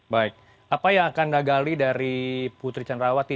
baik apa yang akan dagali dari putri canrawati